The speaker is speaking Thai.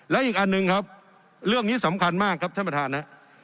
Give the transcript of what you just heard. และอีกอันหนึ่งครับเรื่องนี้สำคัญมากครับท่านประธานนะ